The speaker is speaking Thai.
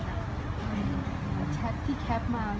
ทางเกียรติบนน้อย